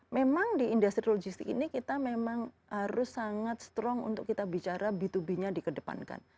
memang di industri logistik ini kita memang harus sangat strong untuk kita bicara b dua b nya dikedepankan